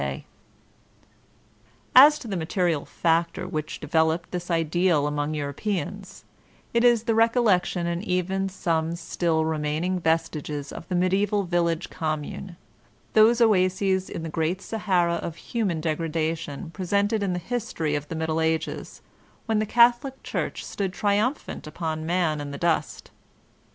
I08 VOLTAttlNE DE ClEYIB As to the material factor which developed this ideal among Europeans, it is the recollection and even some still remaining vestiges of the mediaeval village commune ^4hose oases in the great Sahara of human degradation presented in the hbtory of the Middle Ages, when the Catholic Church stood triumphant upon Man in the dust.